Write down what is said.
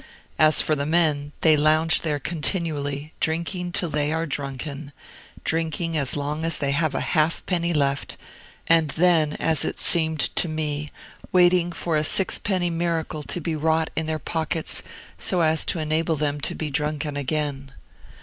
As for the men, they lounge there continually, drinking till they are drunken, drinking as long as they have a half penny left, and then, as it seemed to me, waiting for a sixpenny miracle to be wrought in their pockets so as to enable them to be drunken again.